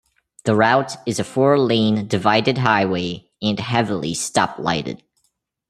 The route is a four lane divided highway and heavily stoplighted.